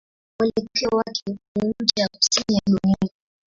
Mwelekeo wake ni ncha ya kusini ya dunia.